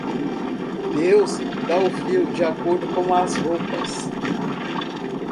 Deus dá o frio de acordo com as roupas.